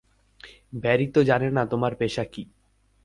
Barry তো জানে না তোমার পেশা কী।